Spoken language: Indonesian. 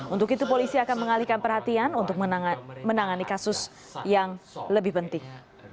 untuk itu polisi akan mengalihkan perhatian untuk menangani kasus yang lebih penting